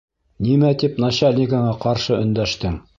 Нимә тип начальнигыңа ҡаршы өндәштең?